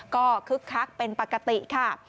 ก็คึกคักเป็นปกติค่ะ